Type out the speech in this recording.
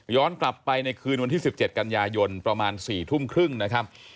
กลับไปในคืนวันที่๑๗กันยายนประมาณ๔ทุ่มครึ่งนะครับ